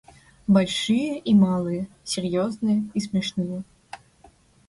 большие и малые, серьезные и смешные.